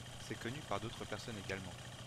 C'est connu par d'autres personnes également.